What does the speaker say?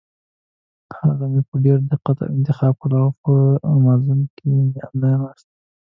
هغه مې په ډېر دقت انتخاب کړل او په امازان کې مې انلاین واخیستل.